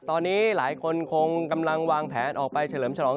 ตอนนี้หลายคนคงกำลังวางแผนออกไปเฉลิมฉลอง